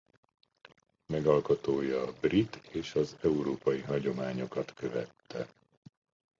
Megalkotója a brit és az európai hagyományokat követte.